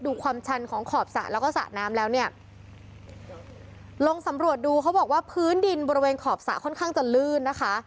ความชันของขอบสระแล้วก็สระน้ำแล้วเนี่ยลองสำรวจดูเขาบอกว่าพื้นดินบริเวณขอบสระค่อนข้างจะลื่นนะคะ